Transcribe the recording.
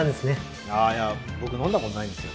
あーいや僕飲んだことないんですよ。